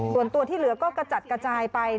ส่วนตัวที่เหลือก็กระจัดกระจายไป